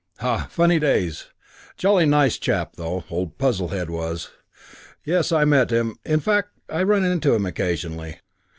Ha! Funny days.... Jolly nice chap, though, old Puzzlehead was.... Yes, I met him.... Fact, I run into him occasionally.